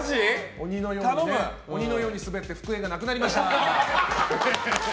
鬼のようにスベって復縁がなくなりました！